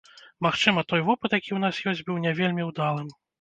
Магчыма, той вопыт, які ў нас ёсць, быў не вельмі ўдалым?